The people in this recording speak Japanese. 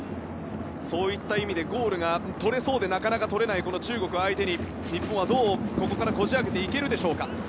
そういった意味でゴールが取れそうでなかなか取れないこの中国相手に日本は、どうここからこじ開けていけるか。